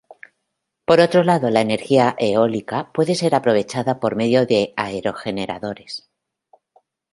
Por otro lado, la energía eólica puede ser aprovechada por medio de aerogeneradores.